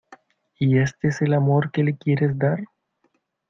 ¿ y este es el amor que le quieres dar?